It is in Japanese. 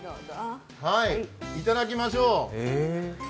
いただきましょう。